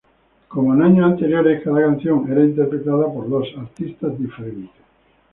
Como en años anteriores, cada canción era interpretada por dos artistas diferentes.